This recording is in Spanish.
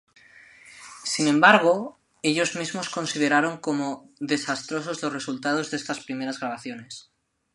Sin embargo, ellos mismos consideraron como desastrosos los resultados de estas primeras grabaciones.